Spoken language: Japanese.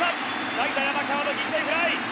代打山川の犠牲フライ！